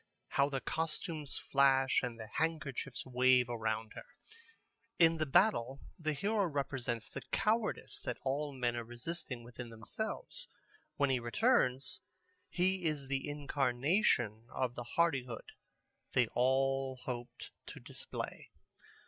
How the costumes flash and the handkerchiefs wave around her! In the battle the hero represents the cowardice that all the men are resisting within themselves. When he returns, he is the incarnation of the hardihood they have all hoped to display.